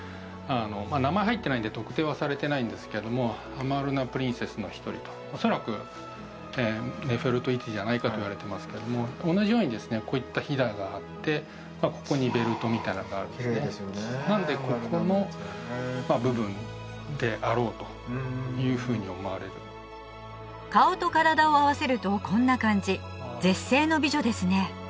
名前入ってないんで特定はされてないんですけどもアマルナプリンセスの一人と恐らくネフェルトイティじゃないかといわれてますけども同じようにですねこういったヒダがあってここにベルトみたいなのがあるんですねなのでここの部分であろうというふうに思われる顔と体を合わせるとこんな感じ絶世の美女ですね